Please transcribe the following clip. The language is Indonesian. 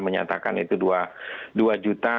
menyatakan itu dua juta